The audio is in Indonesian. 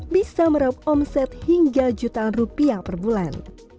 bisa meraup omset hingga jutaan rupiah per bulan